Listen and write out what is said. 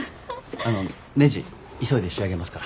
あのねじ急いで仕上げますから。